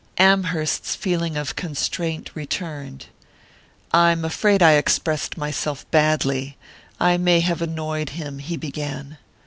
Amherst's feeling of constraint returned. "I'm afraid I expressed myself badly; I may have annoyed him " he began.